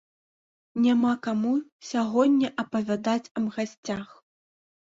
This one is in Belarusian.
Няма каму сягоння апавядаць аб гасцях.